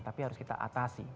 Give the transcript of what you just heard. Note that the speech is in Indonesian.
tapi harus kita atasi